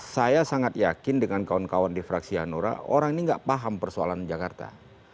saya sangat yakin dengan kawan kawan di fraksi hanura orang ini tidak paham persoalan jakarta